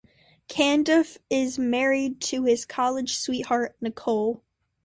Cundiff is married to his college sweetheart, Nicole.